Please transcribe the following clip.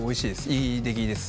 いい出来です。